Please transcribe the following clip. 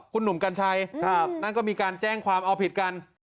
คุณหนุ่มกัญชัยนั่นก็มีการแจ้งความเอาผิดกัน